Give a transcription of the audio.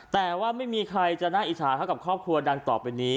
แต่ว่าไม่มีใครจะน่าอิจฉาเท่ากับครอบครัวดังต่อไปนี้